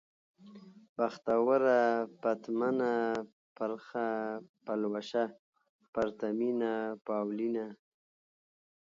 بختوره ، پتمنه ، پرخه ، پلوشه ، پرتمينه ، پاولينه